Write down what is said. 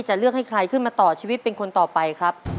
จะเลือกให้ใครขึ้นมาต่อชีวิตเป็นคนต่อไปครับ